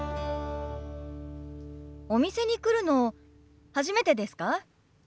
お店に来るの初めてですか？